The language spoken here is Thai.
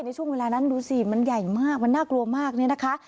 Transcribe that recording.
ในช่วงเวลานั้นดูสิมันใหญ่มากมันน่ากลัวมากเนี่ยนะคะ